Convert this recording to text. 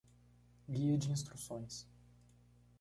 Guia de instruções.